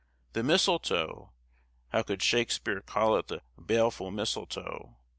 The misletoe—how could Shakespeare call it the "baleful misletoe?"